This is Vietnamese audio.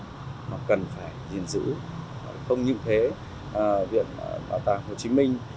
chúng ta phải nhìn giữ không những thế viện bảo tàng hồ chí minh